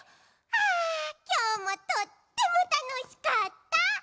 あきょうもとってもたのしかった。